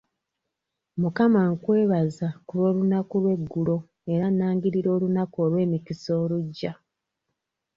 Mukama nkwebaza ku lw'olunaku lw'eggulo era nnangirira olunaku olw'emikisa olugya.